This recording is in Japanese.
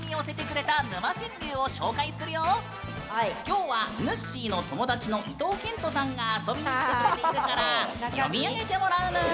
今日はぬっしーの友達の伊東健人さんが遊びに来てくれているから読み上げてもらうぬん。